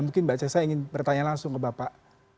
mungkin mbak cesa ingin bertanya langsung ke bapak